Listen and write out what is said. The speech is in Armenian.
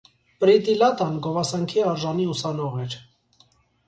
Պրիտիլատան գովասանքի արժանի ուսանող էր։